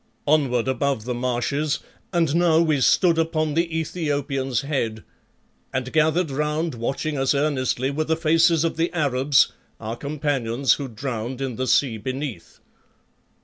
"Onward above the marshes, and now we stood upon the Ethiopian's Head, and gathered round, watching us earnestly, were the faces of the Arabs, our companions who drowned in the sea beneath.